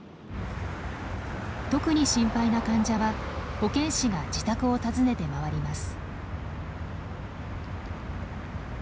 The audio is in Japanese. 特に心配な患者は保健師が自宅を訪ねて回ります。